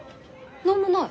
何もない。